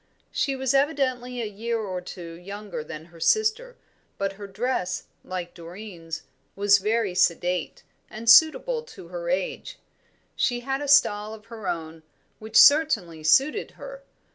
She was evidently a year or two younger than her sister, but her dress, like Doreen's, was very sedate, and suitable to her age. She had a style of her own, which certainly suited her.